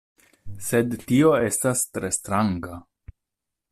Sed tio estas tre stranga...